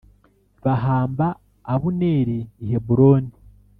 Bahamba Abuneri i Heburoni